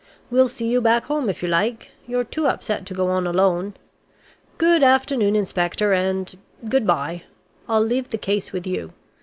We'll see you back home if you like. You're too upset to go on alone. Good afternoon, Inspector and good bye. I'll leave the case with you.